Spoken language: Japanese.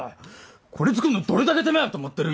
これ作るのどれだけ手間やと思ってるん